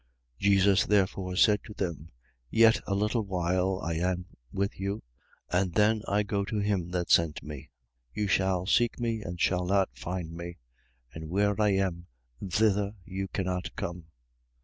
7:33. Jesus therefore said to them: Yet a little while I am with you: and then I go to him that sent me. 7:34. You shall seek me and shall not find me: and where I am, thither you cannot come.